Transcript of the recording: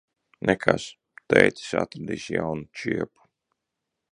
Nekas. Tētis atradis jaunu čiepu.